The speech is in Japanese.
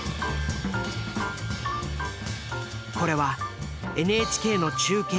これはＮＨＫの中継